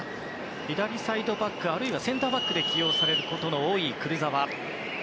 左サイドバックあるいはセンターバックで起用されることの多いクルザワ。